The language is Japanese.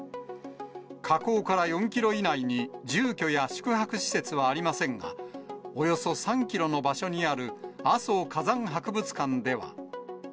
火口から４キロ以内に、住居や宿泊施設はありませんが、およそ３キロの場所にある阿蘇火山博物館では。